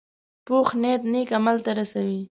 پوخ نیت نیک عمل ته رسوي